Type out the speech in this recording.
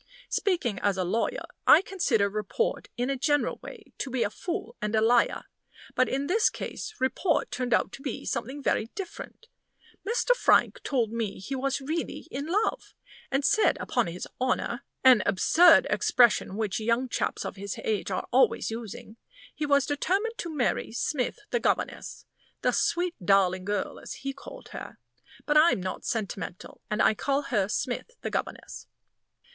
Speaking as a lawyer, I consider report, in a general way, to be a fool and a liar. But in this case report turned out to be something very different. Mr. Frank told me he was really in love, and said upon his honor (an absurd expression which young chaps of his age are always using) he was determined to marry Smith, the governess the sweet, darling girl, as he called her; but I'm not sentimental, and I call her Smith, the governess.